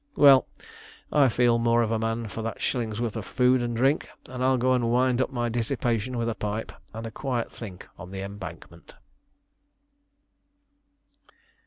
Well, I feel more of a man for that shillingsworth of food and drink, and I'll go and wind up my dissipation with a pipe and a quiet think on the Embankment."